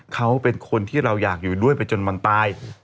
เขาเป็นคนที่เราอยากอยู่ด้วยไปจนมันตาย